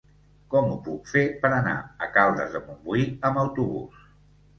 Com ho puc fer per anar a Caldes de Montbui amb autobús?